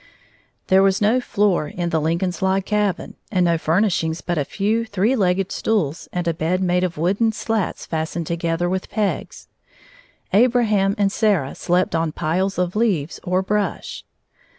There was no floor to the Lincoln's log cabin and no furnishings but a few three legged stools and a bed made of wooden slats fastened together with pegs. Abraham and Sarah slept on piles of leaves or brush.